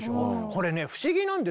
これね不思議なんですよ。